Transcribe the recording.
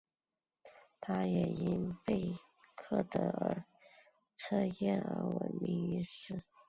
她也因贝克德尔测验而闻名于世。